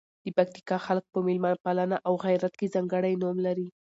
د پکتیکا خلګ په میلمه پالنه او غیرت کې ځانکړي نوم لزي.